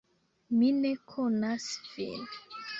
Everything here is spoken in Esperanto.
"Mi ne konas vin."